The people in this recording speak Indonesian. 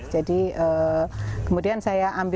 jadi kemudian saya ambil